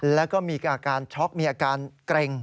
แล้วก็มีอาการช็อกมีอาการเกร็ง